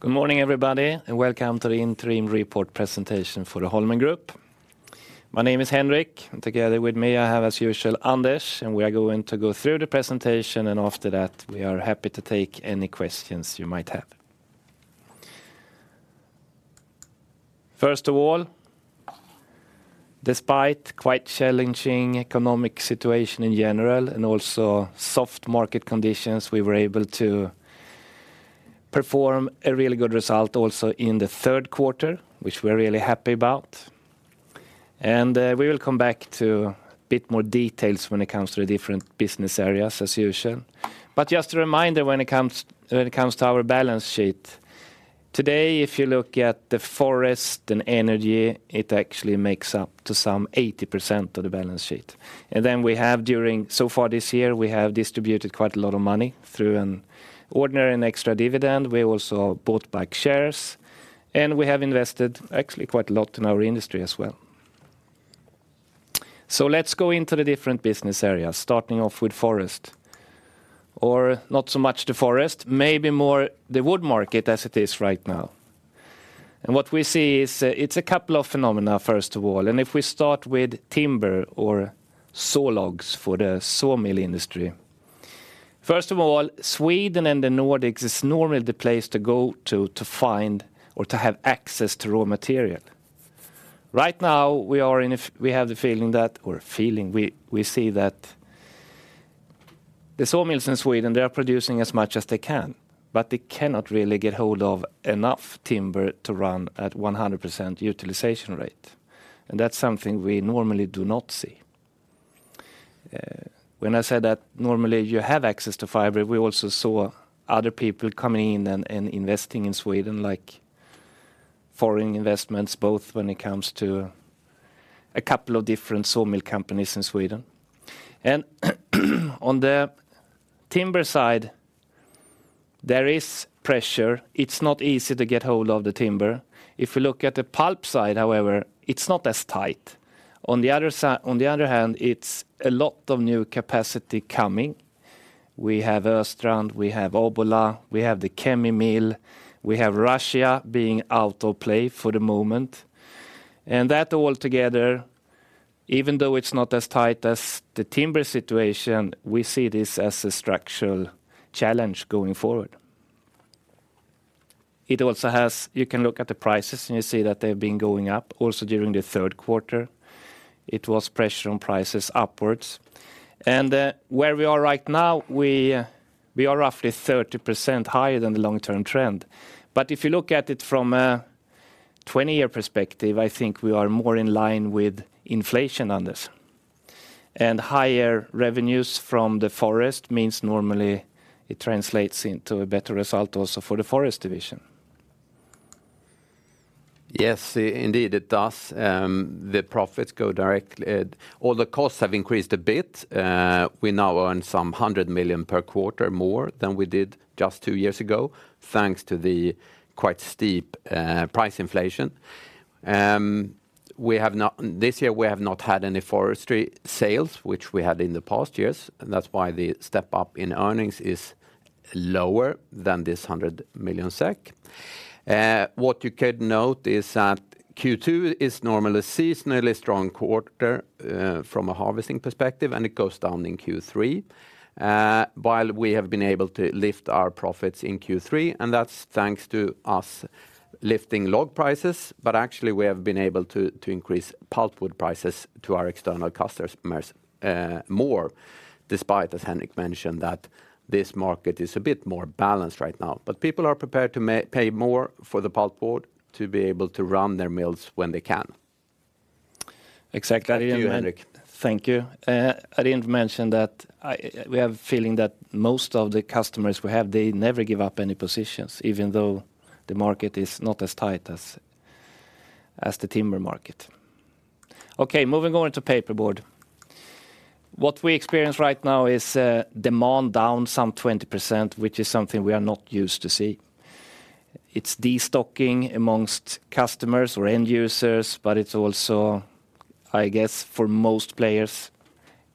Good morning, everybody, and welcome to the interim report presentation for the Holmen Group. My name is Henrik, and together with me, I have, as usual, Anders, and we are going to go through the presentation, and after that, we are happy to take any questions you might have. First of all, despite quite challenging economic situation in general and also soft market conditions, we were able to perform a really good result also in the third quarter, which we're really happy about. And, we will come back to a bit more details when it comes to the different business areas, as usual. But just a reminder when it comes to our balance sheet, today, if you look at the forest and energy, it actually makes up to some 80% of the balance sheet. And then we have during. So far this year, we have distributed quite a lot of money through an ordinary and extra dividend. We also bought back shares, and we have invested actually quite a lot in our industry as well. So let's go into the different business areas, starting off with forest. Or not so much the forest, maybe more the wood market as it is right now. And what we see is, it's a couple of phenomena, first of all, and if we start with timber or saw logs for the sawmill industry. First of all, Sweden and the Nordics is normally the place to go to, to find or to have access to raw material. Right now, we have the feeling that we see that the sawmills in Sweden, they are producing as much as they can, but they cannot really get hold of enough timber to run at 100% utilization rate, and that's something we normally do not see. When I say that normally you have access to fiber, we also saw other people coming in and investing in Sweden, like foreign investments, both when it comes to a couple of different sawmill companies in Sweden. On the timber side, there is pressure. It's not easy to get hold of the timber. If you look at the pulp side, however, it's not as tight. On the other hand, it's a lot of new capacity coming. We have Östrand, we have Obbola, we have the Kemi mill, we have Russia being out of play for the moment. And that all together, even though it's not as tight as the timber situation, we see this as a structural challenge going forward. It also has you can look at the prices, and you see that they've been going up, also during the third quarter. It was pressure on prices upwards. And where we are right now, we, we are roughly 30% higher than the long-term trend. But if you look at it from a 20-year perspective, I think we are more in line with inflation on this. And higher revenues from the forest means normally it translates into a better result also for the forest division. Yes, indeed, it does. The profits go directly although costs have increased a bit, we now earn some 100 million SEK per quarter more than we did just two years ago, thanks to the quite steep price inflation. This year, we have not had any forestry sales, which we had in the past years, and that's why the step-up in earnings is lower than this 100 million SEK. What you could note is that Q2 is normally a seasonally strong quarter, from a harvesting perspective, and it goes down in Q3, while we have been able to lift our profits in Q3, and that's thanks to us lifting log prices, but actually, we have been able to increase pulpwood prices to our external customers more, despite, as Henrik mentioned, that this market is a bit more balanced right now. But people are prepared to pay more for the pulpwood to be able to run their mills when they can. Exactly. Back to you, Henrik. Thank you. I didn't mention that we have a feeling that most of the customers we have, they never give up any positions, even though the market is not as tight as the timber market. Okay, moving on to paperboard. What we experience right now is demand down some 20%, which is something we are not used to see. It's destocking among customers or end users, but it's also, I guess, for most players,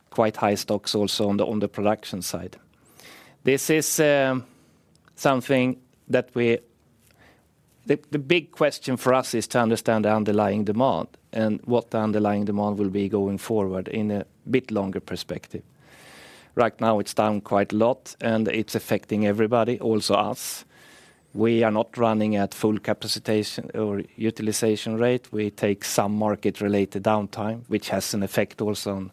quite high stocks also on the production side. This is something that we the big question for us is to understand the underlying demand and what the underlying demand will be going forward in a bit longer perspective. Right now, it's down quite a lot, and it's affecting everybody, also us. We are not running at full capacity or utilization rate. We take some market-related downtime, which has an effect also on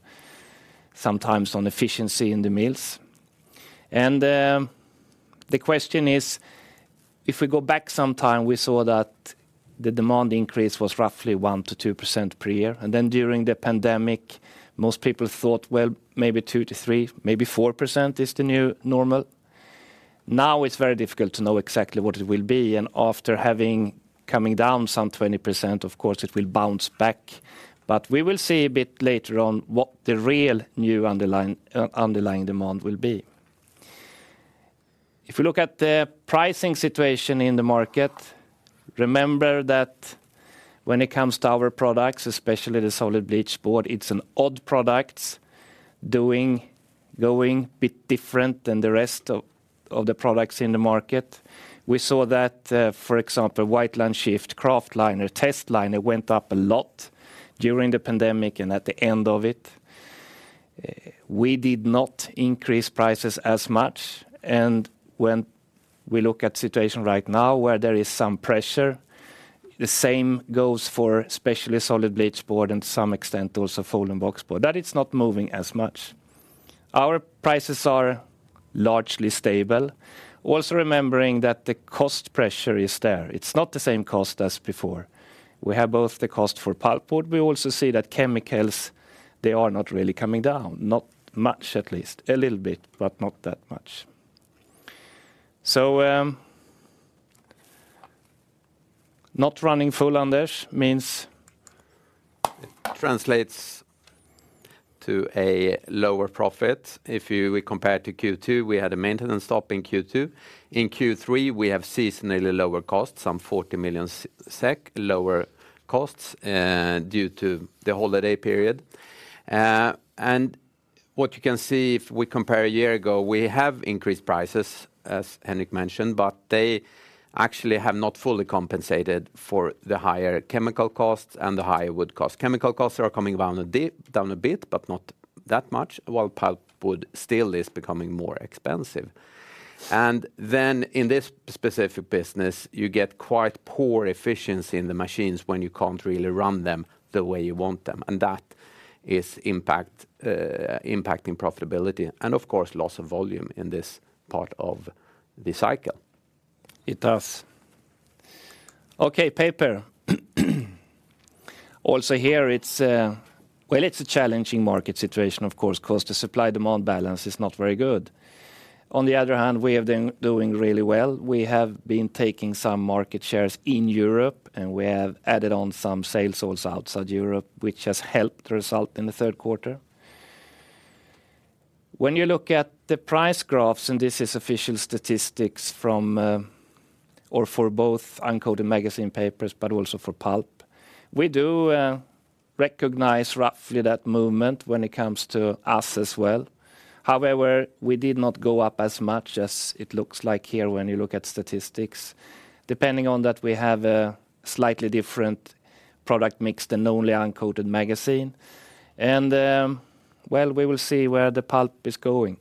sometimes on efficiency in the mills. The question is, if we go back some time, we saw that the demand increase was roughly 1%-2% per year, and then during the pandemic, most people thought, well, maybe 2%-3%, maybe 4% is the new normal. Now, it's very difficult to know exactly what it will be, and after having coming down some 20%, of course, it will bounce back. But we will see a bit later on what the real new underlying demand will be. If you look at the pricing situation in the market. Remember that when it comes to our products, especially the solid bleached board, it's an odd products going bit different than the rest of the products in the market. We saw that, for example, white line chipboard, kraftliner, test liner went up a lot during the pandemic and at the end of it. We did not increase prices as much, and when we look at situation right now, where there is some pressure, the same goes for especially solid bleached board, and to some extent, also folding box board, that it's not moving as much. Our prices are largely stable. Also, remembering that the cost pressure is there. It's not the same cost as before. We have both the cost for pulpwood. We also see that chemicals, they are not really coming down, not much at least. A little bit, but not that much. So, not running full on this means? It translates to a lower profit. We compare to Q2, we had a maintenance stop in Q2. In Q3, we have seasonally lower costs, some 40 million SEK lower costs due to the holiday period. And what you can see, if we compare a year ago, we have increased prices, as Henrik mentioned, but they actually have not fully compensated for the higher chemical costs and the higher wood cost. Chemical costs are coming down a bit, down a bit, but not that much, while pulpwood still is becoming more expensive. And then in this specific business, you get quite poor efficiency in the machines when you can't really run them the way you want them, and that is impacting profitability, and of course, loss of volume in this part of the cycle. It does. Okay, paper. Also here, it's Well, it's a challenging market situation, of course, because the supply-demand balance is not very good. On the other hand, we have been doing really well. We have been taking some market shares in Europe, and we have added on some sales also outside Europe, which has helped the result in the third quarter. When you look at the price graphs, and this is official statistics from, or for both uncoated magazine papers, but also for pulp, we do recognize roughly that movement when it comes to us as well. However, we did not go up as much as it looks like here when you look at statistics. Depending on that, we have a slightly different product mix than only uncoated magazine. And, well, we will see where the pulp is going.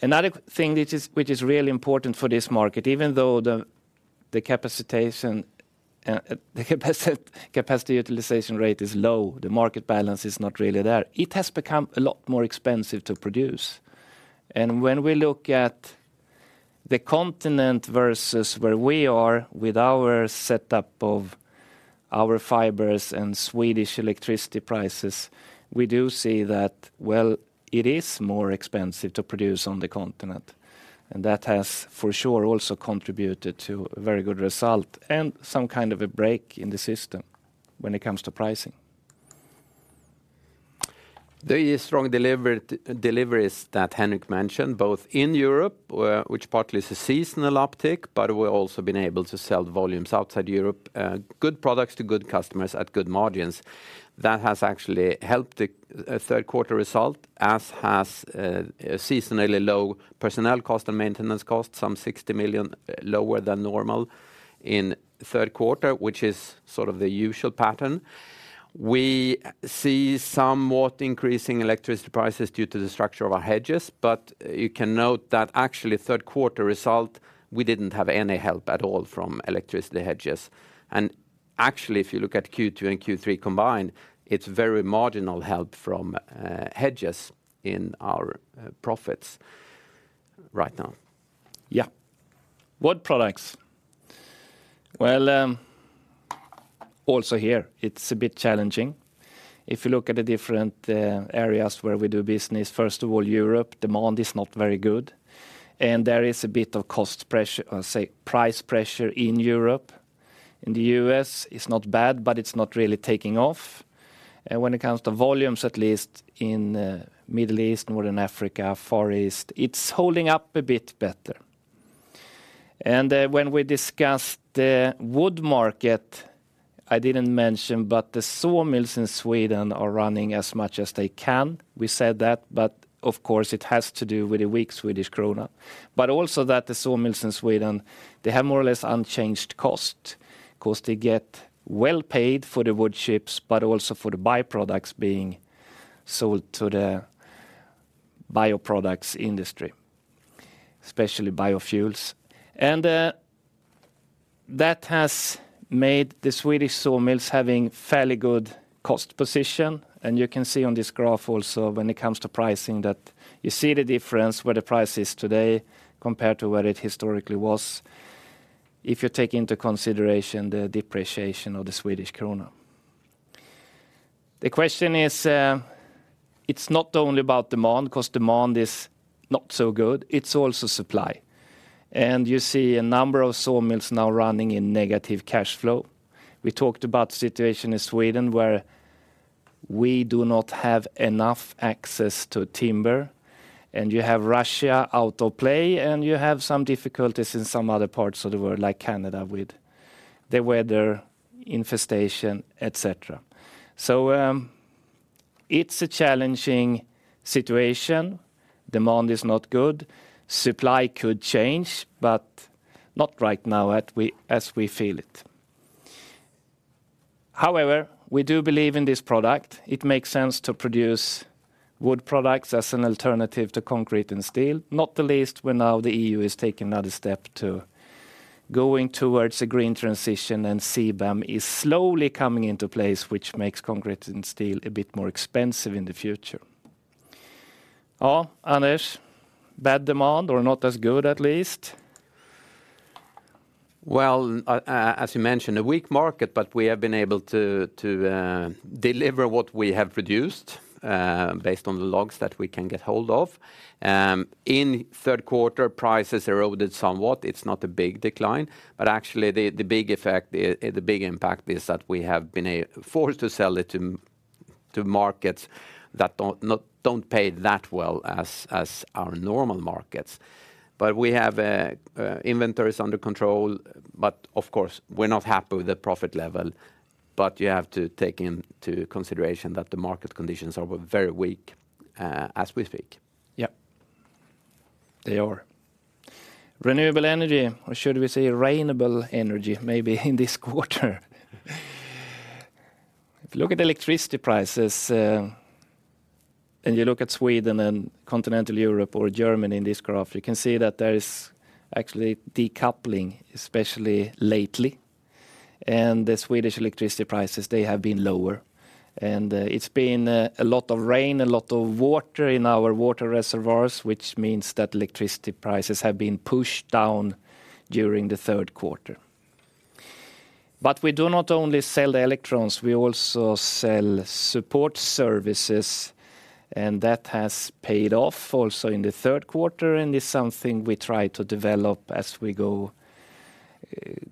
Another thing which is really important for this market, even though the capacity utilization rate is low, the market balance is not really there. It has become a lot more expensive to produce. And when we look at the continent versus where we are with our setup of our fibers and Swedish electricity prices, we do see that, well, it is more expensive to produce on the continent, and that has, for sure, also contributed to a very good result and some kind of a break in the system when it comes to pricing. There is strong deliveries that Henrik mentioned, both in Europe, which partly is a seasonal uptick, but we've also been able to sell volumes outside Europe, good products to good customers at good margins. That has actually helped the third quarter result, as has a seasonally low personnel cost and maintenance cost, some 60 million lower than normal in third quarter, which is sort of the usual pattern. We see somewhat increasing electricity prices due to the structure of our hedges, but you can note that actually, third quarter result, we didn't have any help at all from electricity hedges. And actually, if you look at Q2 and Q3 combined, it's very marginal help from hedges in our profits right now. Yeah. Wood products. Well, also here, it's a bit challenging. If you look at the different areas where we do business, first of all, Europe, demand is not very good, and there is a bit of cost pressure, say, price pressure in Europe. In the U.S., it's not bad, but it's not really taking off. And when it comes to volumes, at least in Middle East, Northern Africa, Far East, it's holding up a bit better. And when we discussed the wood market, I didn't mention, but the sawmills in Sweden are running as much as they can. We said that, but of course, it has to do with the weak Swedish krona. But also that the sawmills in Sweden, they have more or less unchanged cost, because they get well paid for the wood chips, but also for the byproducts being sold to the bioproducts industry, especially biofuels. And, that has made the Swedish sawmills having fairly good cost position, and you can see on this graph also when it comes to pricing, that you see the difference where the price is today compared to where it historically was, if you take into consideration the depreciation of the Swedish krona. The question is, it's not only about demand, because demand is not so good, it's also supply. And you see a number of sawmills now running in negative cash flow. We talked about the situation in Sweden, where we do not have enough access to timber, and you have Russia out of play, and you have some difficulties in some other parts of the world, like Canada, with the weather, infestation, et cetera. So, it's a challenging situation. Demand is not good. Supply could change, but not right now, as we feel it. However, we do believe in this product. It makes sense to produce wood products as an alternative to concrete and steel, not the least when now the EU is taking another step to going towards a green transition, and CBAM is slowly coming into place, which makes concrete and steel a bit more expensive in the future. Well, Anders, bad demand or not as good, at least? Well, as you mentioned, a weak market, but we have been able to deliver what we have produced, based on the logs that we can get hold of. In third quarter, prices eroded somewhat. It's not a big decline, but actually, the big effect, the big impact is that we have been forced to sell it to markets that don't pay that well as our normal markets. But we have inventories under control, but of course, we're not happy with the profit level, but you have to take into consideration that the market conditions are very weak, as we speak. Yep, they are. Renewable energy, or should we say rainable energy, maybe, in this quarter? If you look at electricity prices, and you look at Sweden and continental Europe or Germany in this graph, you can see that there is actually decoupling, especially lately, and the Swedish electricity prices, they have been lower. And, it's been, a lot of rain, a lot of water in our water reservoirs, which means that electricity prices have been pushed down during the third quarter. But we do not only sell the electrons, we also sell support services, and that has paid off also in the third quarter, and it's something we try to develop as we go,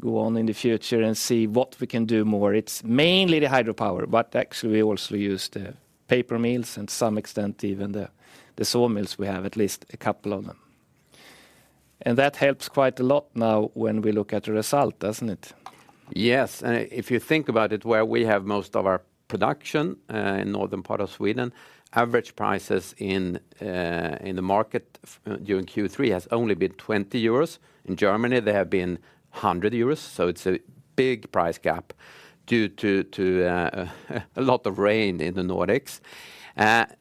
go on in the future and see what we can do more. It's mainly the hydropower, but actually, we also use the paper mills to some extent, even the sawmills we have, at least a couple of them. And that helps quite a lot now when we look at the result, doesn't it? Yes, and if you think about it, where we have most of our production, in northern part of Sweden, average prices in, in the market during Q3 has only been 20 euros. In Germany, they have been 100 euros, so it's a big price gap due to, a lot of rain in the Nordics.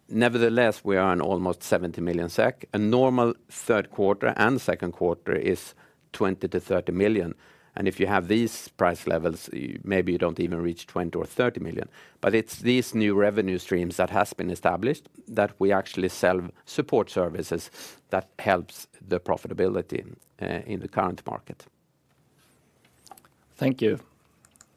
Nevertheless, we are on almost 70 million SEK. A normal third quarter and second quarter is 20 million-30 million, and if you have these price levels, maybe you don't even reach 20 million or 30 million. But it's these new revenue streams that has been established that we actually sell support services that helps the profitability, in the current market. Thank you.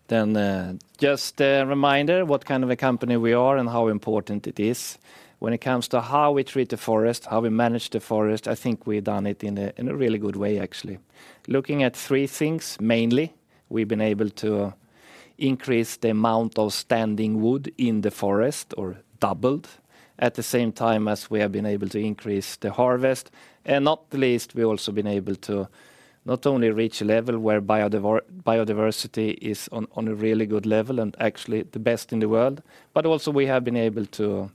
Then, just a reminder what kind of a company we are and how important it is when it comes to how we treat the forest, how we manage the forest. I think we've done it in a really good way, actually. Looking at three things, mainly, we've been able to increase the amount of standing wood in the forest or doubled, at the same time as we have been able to increase the harvest. And not the least, we also been able to not only reach a level where biodiversity is on a really good level, and actually the best in the world, but also we have been able to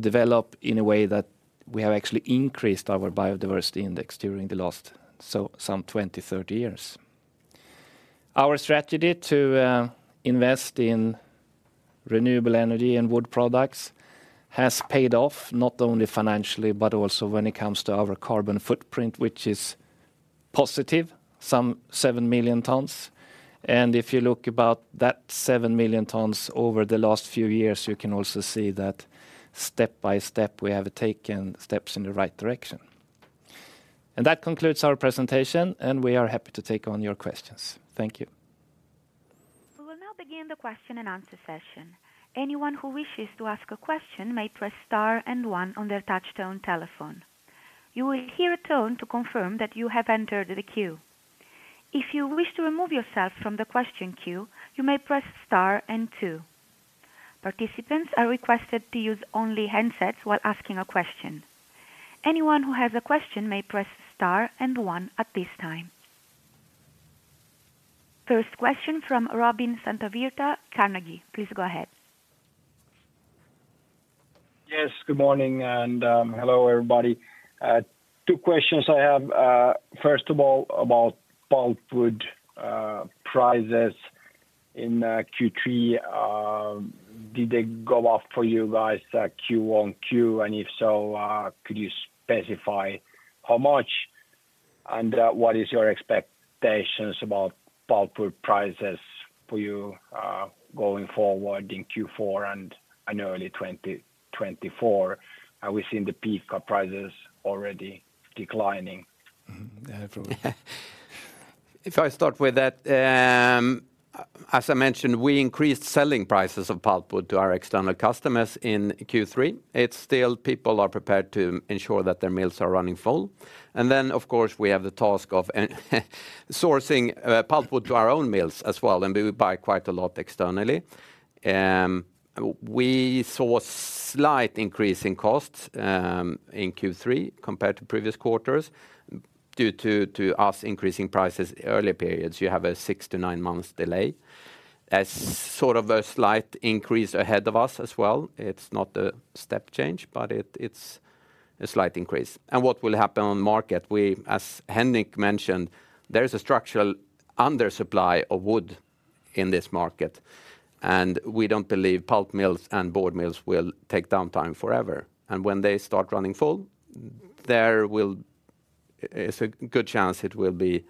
develop in a way that we have actually increased our biodiversity index during the last, so some 20years - 30 years. Our strategy to invest in renewable energy and wood products has paid off, not only financially, but also when it comes to our carbon footprint, which is positive, some 7 million tons. And if you look about that 7 million tons over the last few years, you can also see that step by step, we have taken steps in the right direction. And that concludes our presentation, and we are happy to take on your questions. Thank you. We will now begin the question-and-answer session. Anyone who wishes to ask a question may press star and one on their touchtone telephone. You will hear a tone to confirm that you have entered the queue. If you wish to remove yourself from the question queue, you may press star and two. Participants are requested to use only handsets while asking a question. Anyone who has a question may press star and one at this time. First question from Robin Santavirta, Carnegie. Please go ahead. Yes, good morning, and hello, everybody. Two questions I have, first of all, about Pulpwood prices in Q3. Did they go up for you guys, Q on Q, and if so, could you specify how much? And what is your expectations about Pulpwood prices for you going forward in Q4 and in early 2024? Are we seeing the peak of prices already declining? Mm-hmm. Yeah, Robin. If I start with that, as I mentioned, we increased selling prices of pulpwood to our external customers in Q3. It's still people are prepared to ensure that their mills are running full. And then, of course, we have the task of sourcing, pulpwood to our own mills as well, and we would buy quite a lot externally. We saw a slight increase in costs, in Q3 compared to previous quarters, due to, to us increasing prices early periods. You have a 6 months - 9 months delay. As sort of a slight increase ahead of us as well, it's not a step change, but it, it's a slight increase. And what will happen on the market? We, as Henrik mentioned, there is a structural undersupply of wood in this market, and we don't believe pulp mills and board mills will take downtime forever. When they start running full, it's a good chance it will be,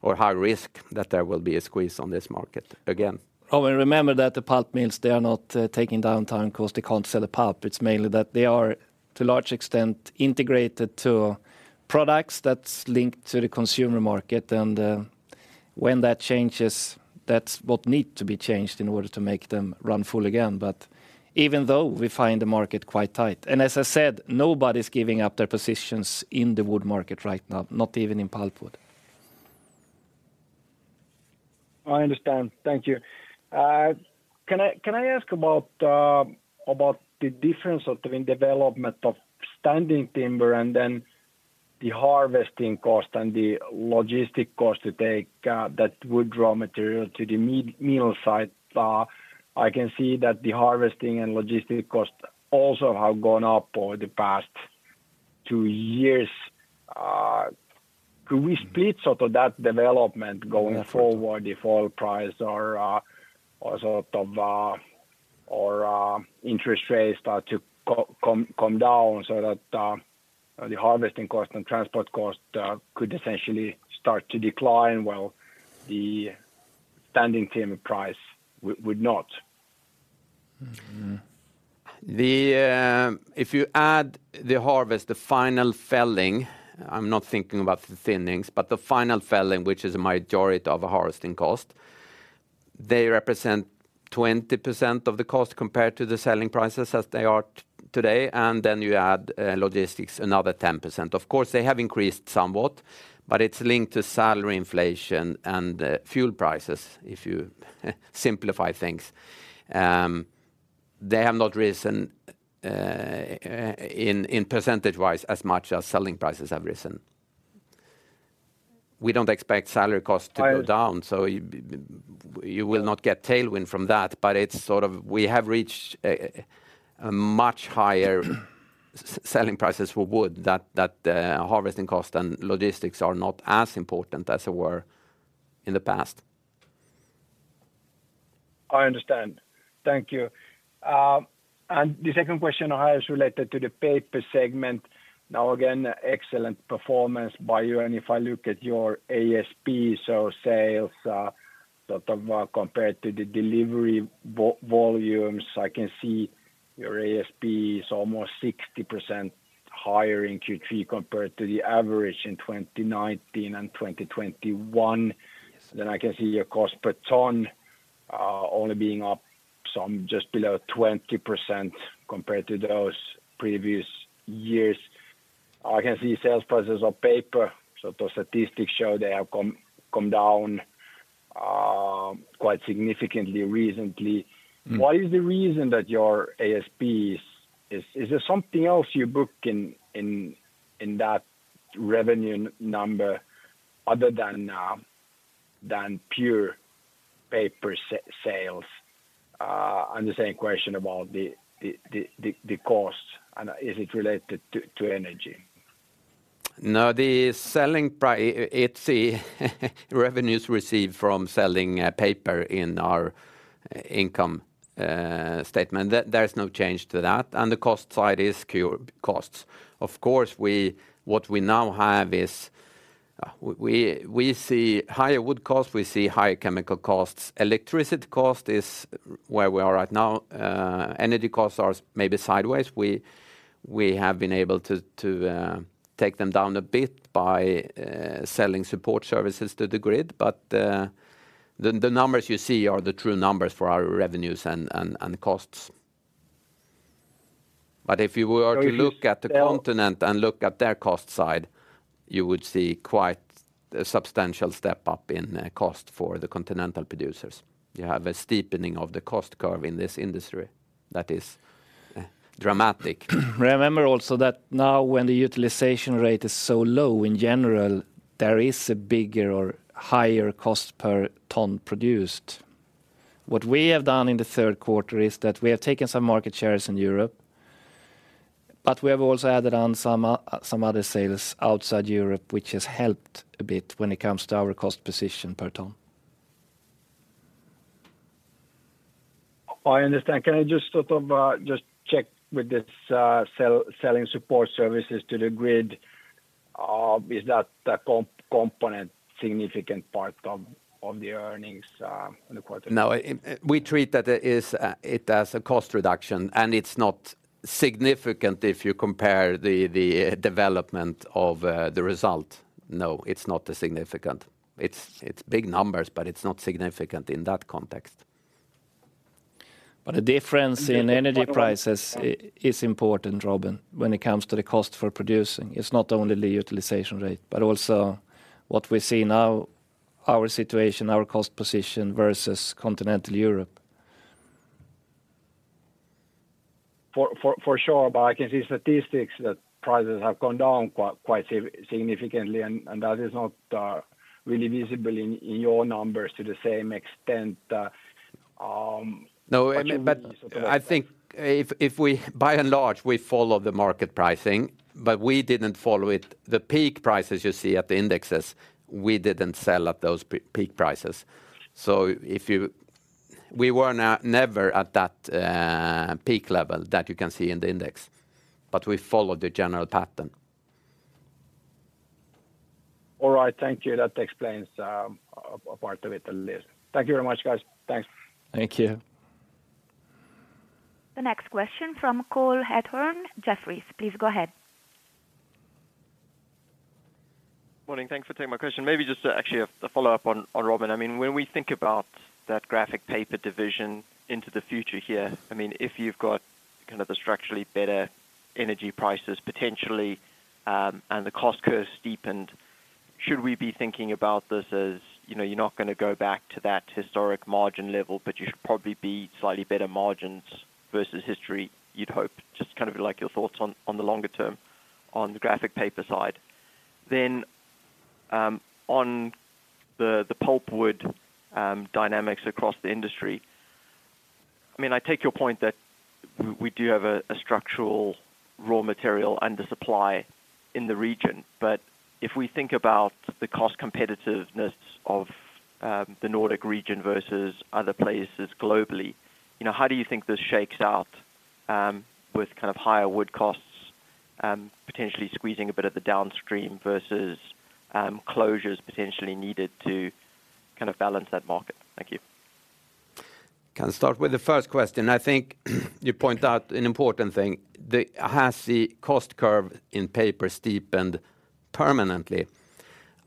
or high risk, that there will be a squeeze on this market again. Oh, and remember that the pulp mills, they are not taking downtime because they can't sell the pulp. It's mainly that they are, to a large extent, integrated to products that's linked to the consumer market. And, when that changes, that's what need to be changed in order to make them run full again. But even though we find the market quite tight, and as I said, nobody's giving up their positions in the wood market right now, not even in pulpwood. I understand. Thank you. Can I ask about the difference of the development of standing timber, and then the harvesting cost and the logistics cost to take that wood raw material to the mill site? I can see that the harvesting and logistics cost also have gone up over the past two years. Could we split sort of that development going forward if oil price or sort of interest rates start to come down, so that the harvesting cost and transport cost could essentially start to decline while the standing timber price would not? The, if you add the harvest, the final felling, I'm not thinking about the thinnings, but the final felling, which is a majority of a harvesting cost, they represent 20% of the cost compared to the selling prices as they are today, and then you add, logistics, another 10%. Of course, they have increased somewhat, but it's linked to salary inflation and, fuel prices, if you simplify things. They have not risen, in percentage-wise, as much as selling prices have risen. We don't expect salary costs to go down- I. So you will not get tailwind from that, but it's sort of we have reached a much higher selling prices for wood, that harvesting cost and logistics are not as important as they were in the past. I understand. Thank you. The second question I have is related to the paper segment. Now, again, excellent performance by you, and if I look at your ASP, so sales, sort of, compared to the delivery volumes, I can see your ASP is almost 60% higher in Q3 compared to the average in 2019 and 2021. Then I can see your cost per ton only being up some, just below 20% compared to those previous years. I can see sales prices of paper, so the statistics show they have come down quite significantly recently. Mm. What is the reason that your ASP is? Is there something else you book in that revenue number other than than pure paper sales? And the same question about the cost, and is it related to energy? No, the selling pri- it's the revenues received from selling paper in our income statement. There's no change to that, and the cost side is paper costs. Of course, what we now have is we see higher wood costs, we see higher chemical costs. Electricity cost is where we are right now. Energy costs are maybe sideways. We have been able to take them down a bit by selling support services to the grid, but the numbers you see are the true numbers for our revenues and costs. But if you were to look at the continent- Well. And look at their cost side, you would see quite a substantial step-up in cost for the continental producers. You have a steepening of the cost curve in this industry that is dramatic. Remember also that now when the utilization rate is so low, in general, there is a bigger or higher cost per ton produced. What we have done in the third quarter is that we have taken some market shares in Europe, but we have also added on some other sales outside Europe, which has helped a bit when it comes to our cost position per ton. I understand. Can I just sort of just check with this selling support services to the grid? Is that the component, significant part of the earnings in the quarter? No, we treat that as a cost reduction, and it's not significant if you compare the development of the result. No, it's not significant. It's big numbers, but it's not significant in that context. But the difference in energy prices is important, Robin, when it comes to the cost for producing. It's not only the utilization rate, but also what we see now, our situation, our cost position versus continental Europe. For sure, but I can see statistics that prices have gone down quite significantly, and that is not really visible in your numbers to the same extent. No, but I think if we—by and large, we follow the market pricing, but we didn't follow it. The peak prices you see at the indexes, we didn't sell at those peak prices. So if you—We were never at that peak level that you can see in the index, but we followed the general pattern. All right. Thank you. That explains a part of it a little. Thank you very much, guys. Thanks. Thank you. The next question from Cole Hathorn, Jefferies. Please go ahead. Morning. Thanks for taking my question. Maybe just actually a follow-up on Robin. I mean, when we think about that graphic paper division into the future here, I mean, if you've got kind of the structurally better energy prices potentially, and the cost curve steepened, should we be thinking about this as, you know, you're not gonna go back to that historic margin level, but you should probably be slightly better margins versus history, you'd hope? Just kind of like your thoughts on the longer term on the graphic paper side. Then, on the pulpwood dynamics across the industry, I mean, I take your point that we do have a structural raw material under supply in the region. But if we think about the cost competitiveness of the Nordic region versus other places globally, you know, how do you think this shakes out with kind of higher wood costs potentially squeezing a bit of the downstream versus closures potentially needed to kind of balance that market? Thank you. Can start with the first question. I think you point out an important thing. Has the cost curve in paper steepened permanently?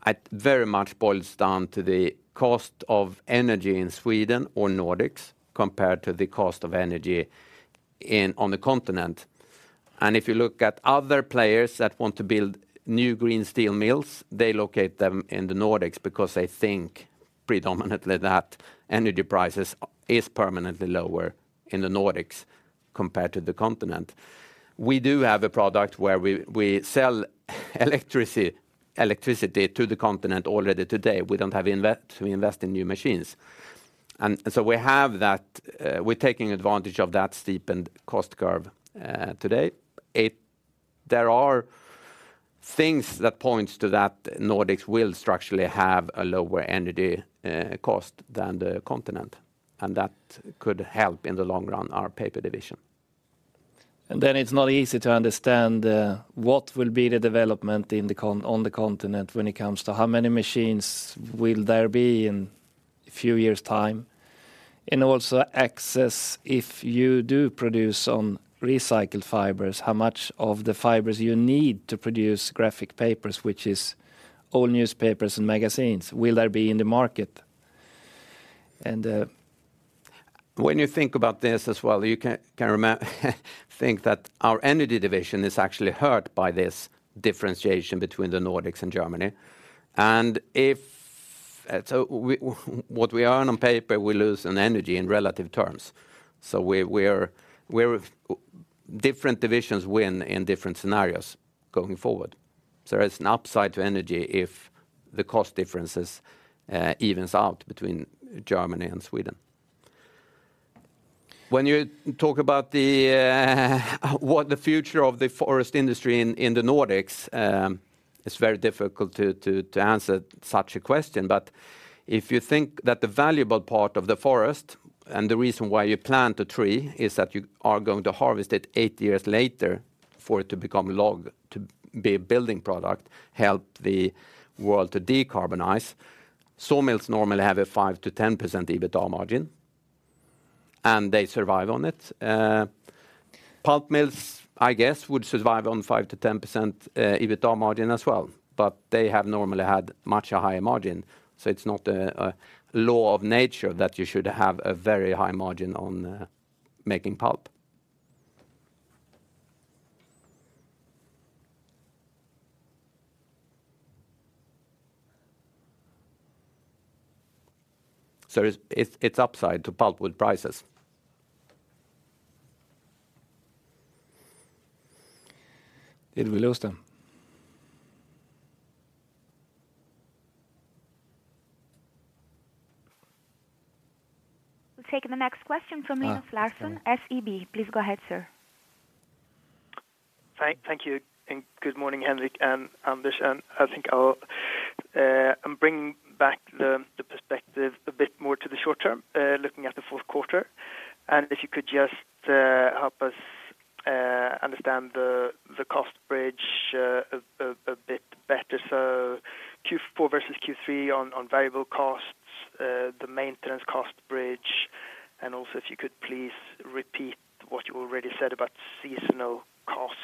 It very much boils down to the cost of energy in Sweden or Nordics, compared to the cost of energy in on the continent. And if you look at other players that want to build new green steel mills, they locate them in the Nordics because they think predominantly that energy prices is permanently lower in the Nordics compared to the continent. We do have a product where we, we sell electricity, electricity to the continent already today. We don't have invest, we invest in new machines. And, so we have that. We're taking advantage of that steepened cost curve today. There are things that points to that Nordics will structurally have a lower energy cost than the continent, and that could help, in the long run, our paper division. Then it's not easy to understand what will be the development on the continent when it comes to how many machines will there be in a few years' time. And also access, if you do produce on recycled fibers, how much of the fibers you need to produce graphic papers, which is all newspapers and magazines, will there be in the market? When you think about this as well, you can think that our energy division is actually hurt by this differentiation between the Nordics and Germany. And if so what we earn on paper, we lose on energy in relative terms. So we are different divisions win in different scenarios going forward. So there is an upside to energy if the cost differences evens out between Germany and Sweden. When you talk about what the future of the forest industry in the Nordics, it's very difficult to answer such a question. But if you think that the valuable part of the forest, and the reason why you plant a tree, is that you are going to harvest it eight years later for it to become log, to be a building product, help the world to decarbonize, sawmills normally have a 5%-10% EBITA margin, and they survive on it. Pulp mills, I guess, would survive on 5%-10% EBITA margin as well, but they have normally had much a higher margin. So it's not a law of nature that you should have a very high margin on making pulp. So it's upside to pulpwood prices. Did we lose them? We'll take the next question from Linus Larsson, SEB. Please go ahead, sir. Thank you, and good morning, Henrik and Anders. I think I'll bring back the perspective a bit more to the short term, looking at the fourth quarter. If you could just help us understand the cost bridge a bit better. So Q4 versus Q3 on variable costs, the maintenance cost bridge, and also if you could please repeat what you already said about seasonal cost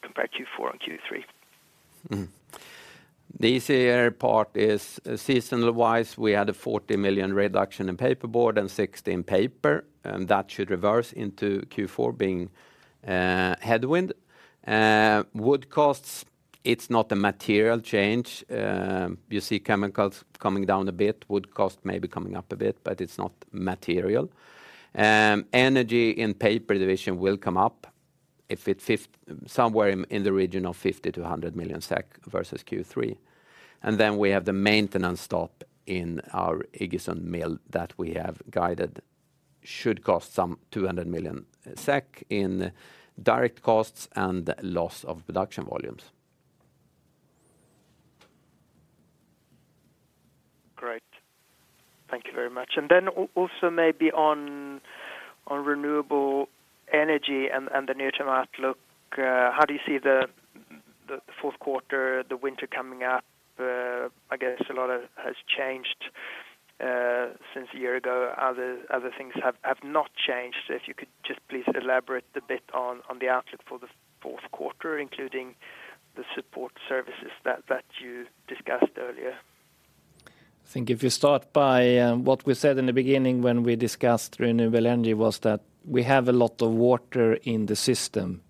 compare Q4 and Q3? Mm-hmm. The easier part is seasonal-wise, we had a 40 million reduction in paperboard and 60 in paper, and that should reverse into Q4 being headwind. Wood costs, it's not a material change. You see chemicals coming down a bit, wood cost may be coming up a bit, but it's not material. Energy in paper division will come up, somewhere in the region of 50-100 million SEK versus Q3. And then we have the maintenance stop in our Iggesund Mill that we have guided, should cost some 200 million SEK in direct costs and loss of production volumes. Great. Thank you very much. And then also maybe on renewable energy and the near-term outlook, how do you see the fourth quarter, the winter coming up? I guess a lot of has changed since a year ago. Other things have not changed. So if you could just please elaborate a bit on the outlook for the fourth quarter, including the support services that you discussed earlier. I think if you start by what we said in the beginning when we discussed renewable energy, was that we have a lot of water in the system.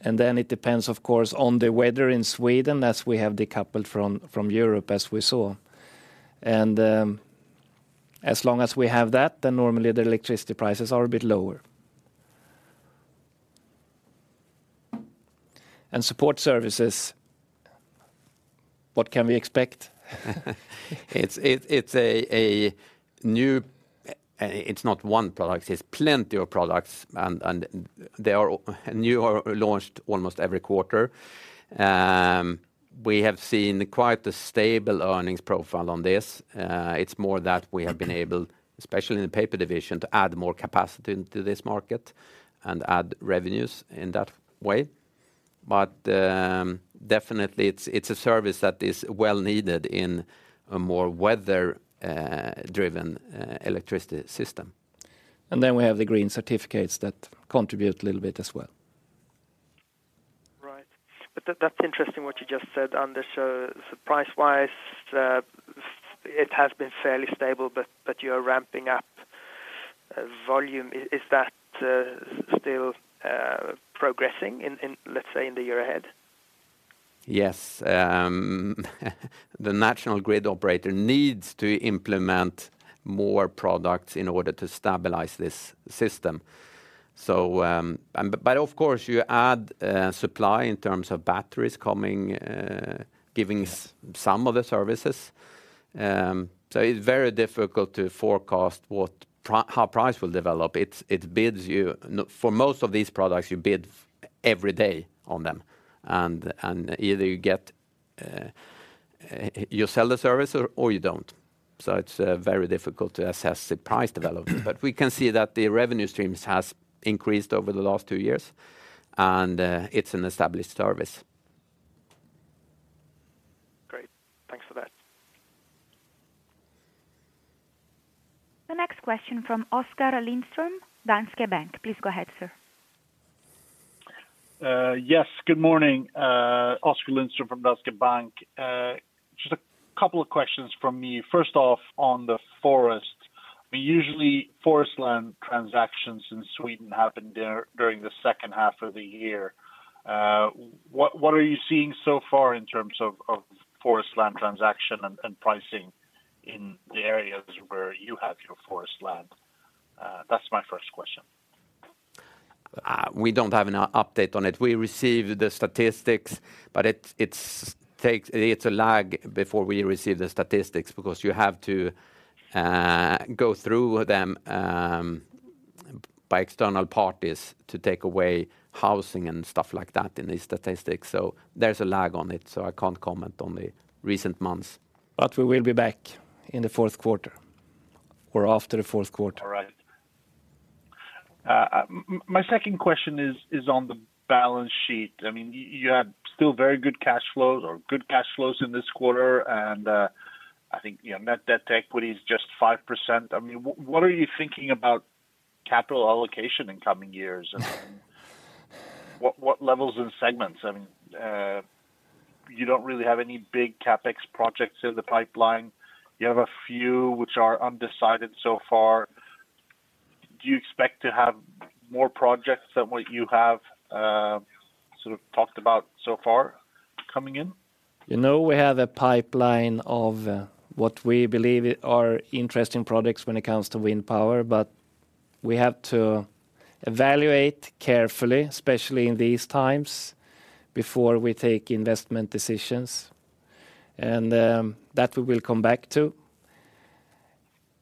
And then it depends, of course, on the weather in Sweden, as we have decoupled from, from Europe, as we saw. And as long as we have that, then normally the electricity prices are a bit lower. Support services, what can we expect? It's a new. It's not one product, it's plenty of products, and they are new or launched almost every quarter. We have seen quite a stable earnings profile on this. It's more that we have been able, especially in the paper division, to add more capacity into this market and add revenues in that way. But definitely it's a service that is well needed in a more weather driven electricity system. We have the green certificates that contribute a little bit as well. Right. But that, that's interesting, what you just said, Anders. So, price-wise, it has been fairly stable, but you're ramping up volume. Is that still progressing in, let's say, in the year ahead? Yes. The national grid operator needs to implement more products in order to stabilize this system. So, but of course, you add supply in terms of batteries coming, giving some of the services. So it's very difficult to forecast how price will develop. It's, it bids you for most of these products, you bid every day on them, and either you get, you sell the service or you don't. So it's very difficult to assess the price development. But we can see that the revenue streams has increased over the last two years, and it's an established service. Great, thanks for that. The next question from Oskar Lindström, Danske Bank. Please go ahead, sir. Yes. Good morning, Oskar Lindström from Danske Bank. Just a couple of questions from me. First off, on the forest: usually, forest land transactions in Sweden happen during the second half of the year. What are you seeing so far in terms of forest land transaction and pricing in the areas where you have your forest land? That's my first question. We don't have an update on it. We received the statistics, but it's a lag before we receive the statistics, because you have to go through them by external parties to take away housing and stuff like that in these statistics. So there's a lag on it, so I can't comment on the recent months. But we will be back in the fourth quarter or after the fourth quarter. All right. My second question is on the balance sheet. I mean, you had still very good cash flows or good cash flows in this quarter, and I think, you know, net debt to equity is just 5%. I mean, what are you thinking about capital allocation in coming years? And what levels and segments? I mean, you don't really have any big CapEx projects in the pipeline. You have a few which are undecided so far. Do you expect to have more projects than what you have sort of talked about so far coming in? You know, we have a pipeline of what we believe are interesting products when it comes to wind power, but we have to evaluate carefully, especially in these times, before we take investment decisions. And that we will come back to.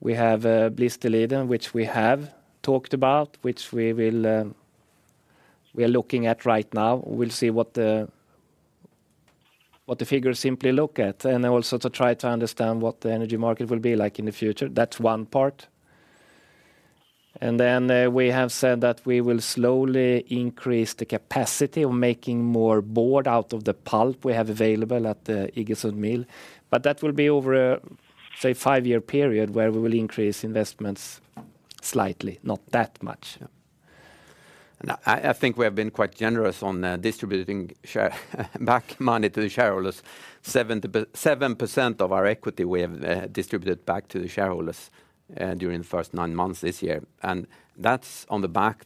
We have Blisterliden, which we have talked about, which we will, we are looking at right now. We'll see what the, what the figures simply look at, and then also to try to understand what the energy market will be like in the future. That's one part. And then we have said that we will slowly increase the capacity of making more board out of the pulp we have available at the Iggesund Mill, but that will be over a, say, five-year period, where we will increase investments slightly, not that much. I think we have been quite generous on distributing share buyback money to the shareholders. 77% of our equity we have distributed back to the shareholders during the first nine months this year. And that's on the back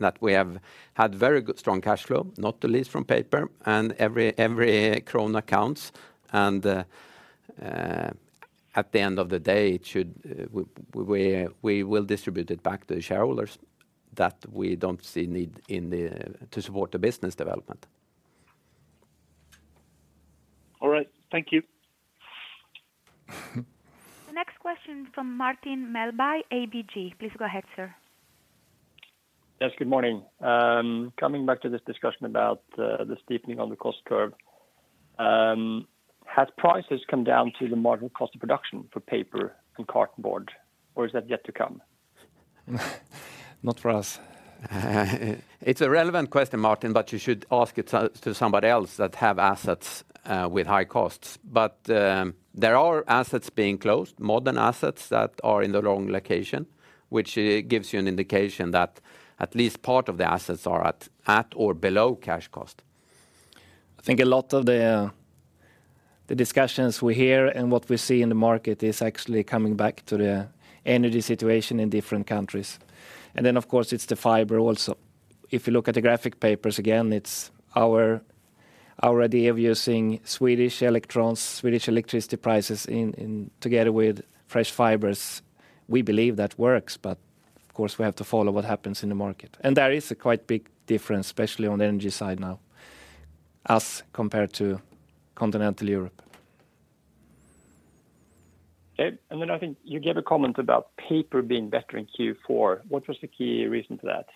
that we have had very good strong cash flow, not the least from paper, and every krona counts. And at the end of the day, it should we will distribute it back to the shareholders that we don't see need in the to support the business development. All right. Thank you. The next question from Martin Melbye, ABG. Please go ahead, sir. Yes, good morning. Coming back to this discussion about the steepening on the cost curve, have prices come down to the marginal cost of production for paper and cardboard, or is that yet to come? Not for us. It's a relevant question, Martin, but you should ask it to somebody else that have assets with high costs. But, there are assets being closed, modern assets that are in the wrong location, which gives you an indication that at least part of the assets are at or below cash cost. I think a lot of the discussions we hear and what we see in the market is actually coming back to the energy situation in different countries. And then, of course, it's the fiber also. If you look at the graphic papers, again, it's our idea of using Swedish electrons, Swedish electricity prices in together with fresh fibers. We believe that works, but of course, we have to follow what happens in the market. And there is a quite big difference, especially on the energy side now, us compared to continental Europe. Okay. And then I think you gave a comment about paper being better in Q4. What was the key reason for that?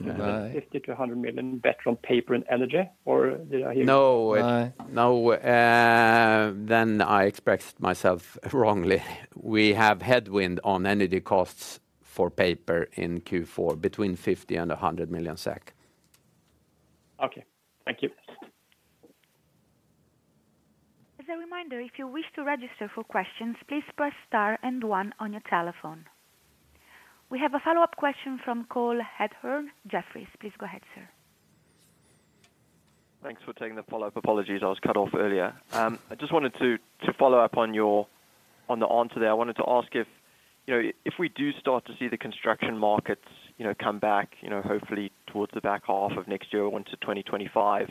Uh. Uh. 50 million-100 million better on paper and energy, or did I hear you? No. No. No. Then I expressed myself wrongly. We have headwind on energy costs for paper in Q4, between 50 million and 100 million SEK. Okay. Thank you. As a reminder, if you wish to register for questions, please press star and one on your telephone. We have a follow-up question from Cole Hathorn, Jefferies. Please go ahead, sir. Thanks for taking the follow-up. Apologies, I was cut off earlier. I just wanted to follow up on your on the answer there, I wanted to ask if, you know, if we do start to see the construction markets, you know, come back, you know, hopefully towards the back half of next year or into 2025,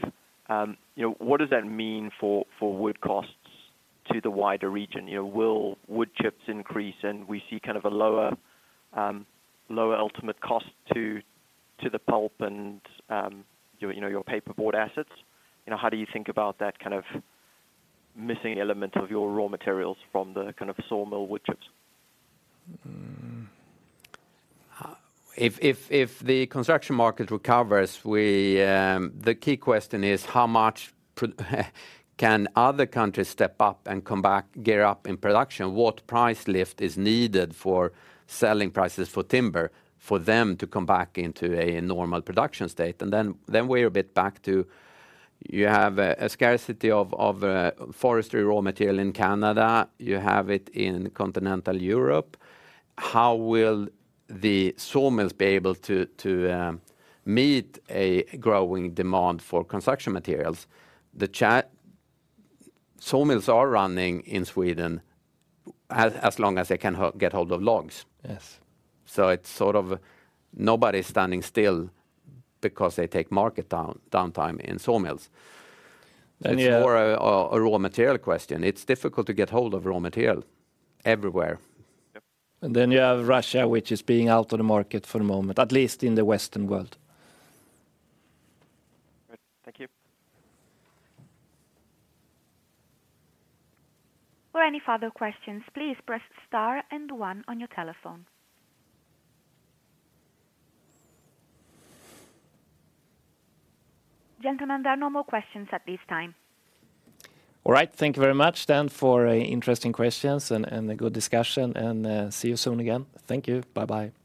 you know, what does that mean for, for wood costs to the wider region? You know, will wood chips increase, and we see kind of a lower, lower ultimate cost to, to the pulp and, your, you know, your paperboard assets? You know, how do you think about that kind of missing element of your raw materials from the kind of sawmill wood chips? If the construction market recovers, the key question is, how much can other countries step up and come back, gear up in production? What price lift is needed for selling prices for timber, for them to come back into a normal production state? And then we're a bit back to, you have a scarcity of forestry raw material in Canada. You have it in continental Europe. How will the sawmills be able to meet a growing demand for construction materials? The sawmills are running in Sweden as long as they can get hold of logs. Yes. It's sort of nobody's standing still because they take market downtime in sawmills. And yeah. It's more a raw material question. It's difficult to get hold of raw material everywhere. Yep. And then you have Russia, which is being out of the market for the moment, at least in the Western world. Good. Thank you. For any further questions, please press star and one on your telephone. Gentlemen, there are no more questions at this time. All right. Thank you very much then for interesting questions and a good discussion, and see you soon again. Thank you. Bye-bye.